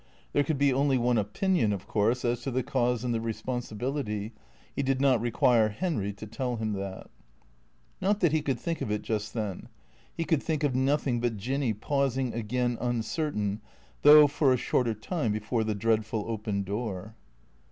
There could be only one opinion, of course, as to the cause and the responsibility. He did not require Henry to tell him that. Not that he could think of it just then. He could think of nothing but Jinny pausing again, uncertain, though for a shorter time, before the dreadful open door.